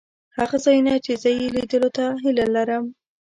هغه ځایونه چې زه یې لیدلو ته هیله لرم.